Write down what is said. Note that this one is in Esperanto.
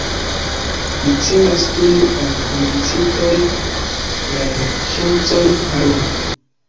Ni celas doni al komencintoj la ŝancon paroli.